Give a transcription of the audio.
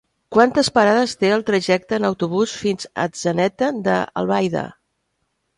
Quantes parades té el trajecte en autobús fins a Atzeneta d'Albaida?